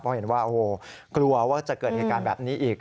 เพราะเห็นว่ากลัวว่าจะเกิดเอกลักษณ์แบบนี้อีก